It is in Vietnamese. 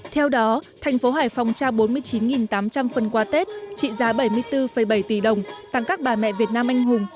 theo đó thành phố hải phòng trao bốn mươi chín tám trăm linh phần quà tết trị giá bảy mươi bốn bảy tỷ đồng tặng các bà mẹ việt nam anh hùng